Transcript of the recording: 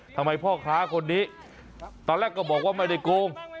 พ่อค้าคนนี้ตอนแรกก็บอกว่าไม่ได้โกง